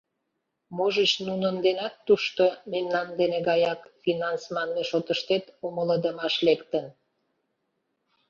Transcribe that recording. Можыч, нунын денат тушто, мемнан дене гаяк, финанс манме шотыштет умылыдымаш лектын?